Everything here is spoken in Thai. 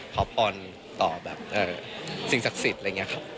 ขอพรต่อแบบสิ่งศักดิ์สิทธิ์อะไรอย่างนี้ครับ